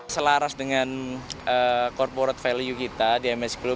selaras dengan corporate value kita di ms sepuluh